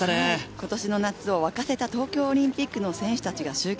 今年の夏を沸かせた東京オリンピックの選手たちが集結。